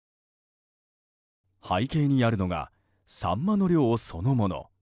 背景にあるのがサンマの量そのもの。